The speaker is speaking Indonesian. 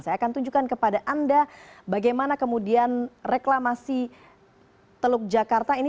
saya akan tunjukkan kepada anda bagaimana kemudian reklamasi teluk jakarta ini